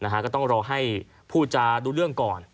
ก็ต้องรอให้ผู้จารู้เรื่องก่อน